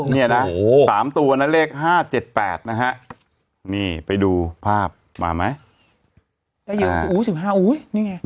นี่แหละ๓ตัวนะเลข๕๗๘นะฮะนี่ไปดูภาพมาไหม